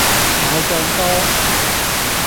奶醬多